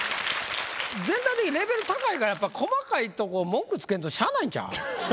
全体的にレベル高いから細かいとこ文句つけんとしゃあないんちゃう？